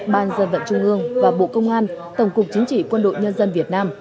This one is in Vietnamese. ban dân vận trung ương và bộ công an tổng cục chính trị quân đội nhân dân việt nam